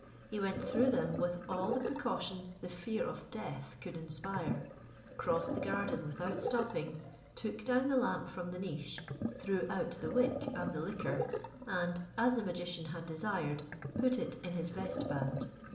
He went through them with all the precaution the fear of death could inspire; crossed the garden without stopping, took down the lamp from the niche, threw out the wick and the liquor, and, as the magician had desired, put it in his vestband.